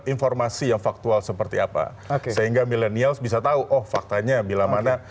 informasi yang faktual seperti apa sehingga milenial bisa tahu oh faktanya bila mana